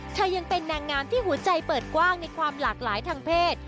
ยังเป็นนางงามที่หัวใจเปิดกว้างในความหลากหลายทางเพศ